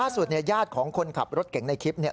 สุดเนี่ยญาติของคนขับรถเก่งในคลิปเนี่ย